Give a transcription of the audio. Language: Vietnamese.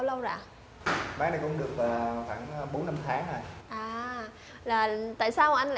dạ an toàn